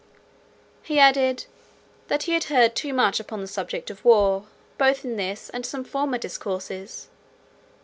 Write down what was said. He added, "that he had heard too much upon the subject of war, both in this and some former discourses.